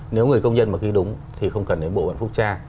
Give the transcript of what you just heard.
nếu người công nhân mà ghi đúng thì không cần đến bộ phận phúc tra